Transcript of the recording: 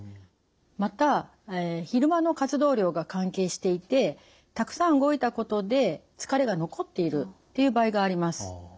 また昼間の活動量が関係していてたくさん動いたことで疲れが残っているっていう場合があります。